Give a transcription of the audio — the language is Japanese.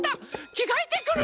きがえてくる！